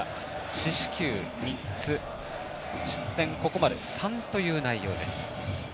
四死球３つ、失点ここまで３という内容です。